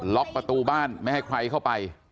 ล็อกประตูบ้านไม่ให้ใครเข้าไป